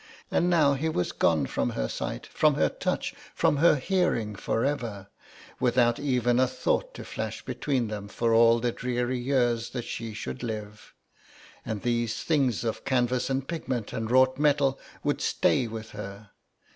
And now he was gone from her sight, from her touch, from her hearing for ever, without even a thought to flash between them for all the dreary years that she should live, and these things of canvas and pigment and wrought metal would stay with her.